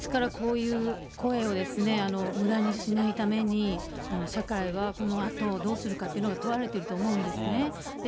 ですから、こういう声をむだにしないために、社会はこのあとどうするかというのが問われていると思うんですね。